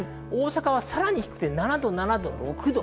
大阪はさらに低くて、７度、６度。